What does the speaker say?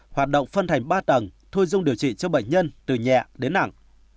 hoạt động phân thành ba tầng thôi dung điều trị cho bệnh nhân từ nhẹ đến nặng